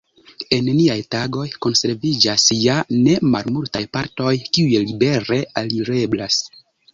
En niaj tagoj konserviĝas ja ne malmultaj partoj kiuj libere alireblas.